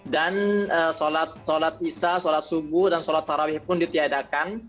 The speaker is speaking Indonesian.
dan sholat isya sholat subuh dan sholat farawih pun ditiadakan